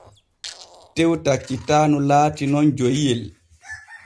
Tew taccitaanu laati nun joyiyel.